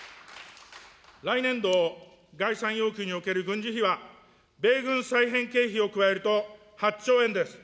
来年度概算要求における軍事費は、米軍再編経費を加えると８兆円です。